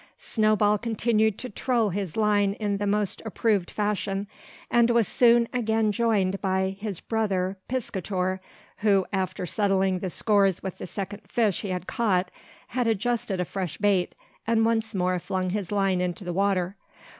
Snowball continued to "troll" his line in the most approved fashion; and was soon again joined by his brother "piscator," who, after settling the scores with the second fish he had caught, had adjusted a fresh bait, and once more flung his line into the water.